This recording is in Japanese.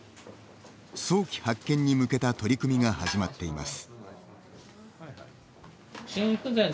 早期発見に向けた取り組みが始まっています。